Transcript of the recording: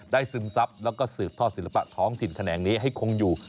ซึมซับแล้วก็สืบทอดศิลปะท้องถิ่นแขนงนี้ให้คงอยู่